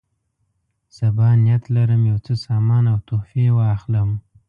سبا نیت لرم یو څه سامان او تحفې واخلم.